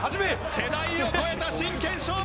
世代を超えた真剣勝負。